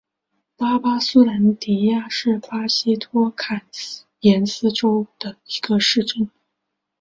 巴巴苏兰迪亚是巴西托坎廷斯州的一个市镇。